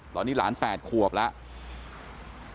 ตอนนี้หลาน๘ขวบแล้ว